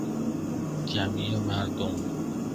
جمیع مردم